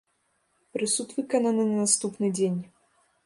Прысуд выкананы на наступны дзень.